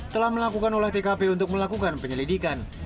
telah melakukan olah tkp untuk melakukan penyelidikan